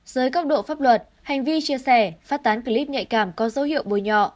giới cấp độ pháp luật hành vi chia sẻ phát tán clip nhạy cảm có dấu hiệu bối nhọ